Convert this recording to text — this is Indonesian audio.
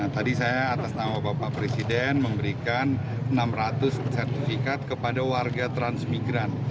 tadi saya atas nama bapak presiden memberikan enam ratus sertifikat kepada warga transmigran